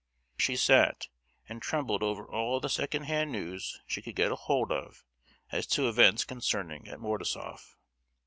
There she sat, and trembled over all the second hand news she could get hold of as to events occurring at Mordasof.